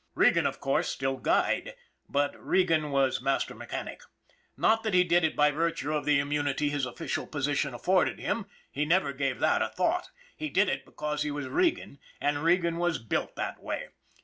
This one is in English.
Regan, of course, still guyed but Regan was mas ter mechanic. Not that he did it by virtue of the im munity his official position afforded him, he never gave that a thought. He did it because he was Regan, and Regan was built that way.